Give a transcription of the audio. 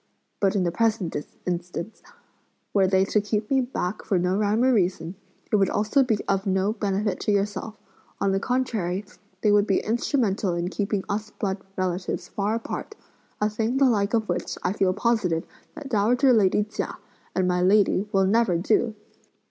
But in the present instance, were they to keep me back for no rhyme or reason, it would also be of no benefit to yourself; on the contrary, they would be instrumental in keeping us blood relatives far apart; a thing the like of which, I feel positive that dowager lady Chia and my lady will never do!"